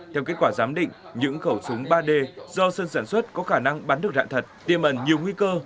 theo kết quả giám định những khẩu súng ba d do sơn sản xuất có khả năng bắn được rạn thật tiêm ẩn nhiều nguy cơ